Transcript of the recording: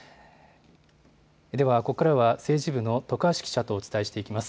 では、ここからは政治部の徳橋記者とお伝えしていきます。